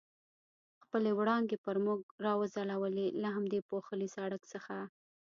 خپلې وړانګې پر موږ را وځلولې، له همدې پوښلي سړک څخه.